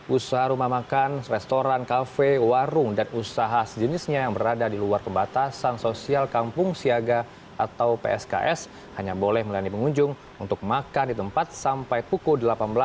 usaha rumah makan restoran kafe warung dan usaha sejenisnya yang berada di luar pembatasan sosial kampung siaga atau psks hanya boleh melayani pengunjung untuk makan di tempat sampai pukul delapan belas